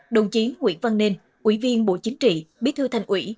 đồng chí nguyễn văn nên ủy viên bộ chính trị bí thư thành ủy